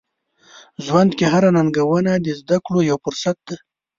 ژوند کې هره ننګونه د زده کړو یو فرصت دی.